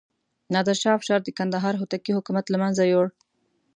نادر شاه افشار د کندهار هوتکي حکومت له منځه یووړ.